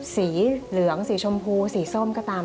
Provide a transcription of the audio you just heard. สีเหลืองสีชมพูสีส้มก็ตาม